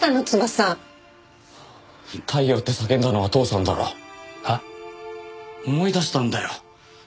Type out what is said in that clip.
「タイヨウ」って叫んだのは父さんだろ？はあ？思い出したんだよ。